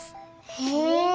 へえ。